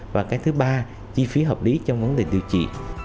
và cái thứ ba chi phí hợp lý trong vấn đề điều trị